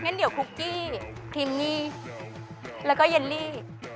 งั้นเดี๋ยวคุกกี้ครีมมี่แล้วก็เยลลี่